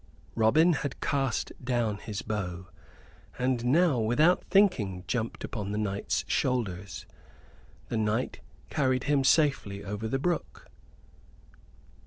Robin had cast down his bow; and now, without thinking, jumped upon the knight's shoulders. The knight carried him safely over the brook.